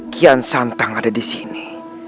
kian santang ada di sini